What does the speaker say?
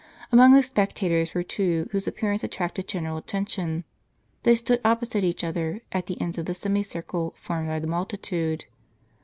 Among the spectators were two whose appearance attracted general attention ; they stood opposite each other, at the ends of the semicircle formed by the multitude.